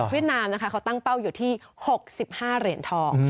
นามนะคะเขาตั้งเป้าอยู่ที่๖๕เหรียญทอง